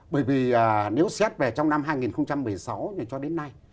bởi vì nếu xét về trong năm hai nghìn một mươi sáu cho đến nay